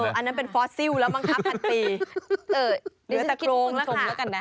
อันนั้นเป็นฟอสซิลแล้วมั้งครับพันปี